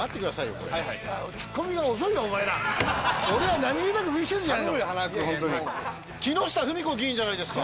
これ俺は何気なく見せてるじゃないの頼むよ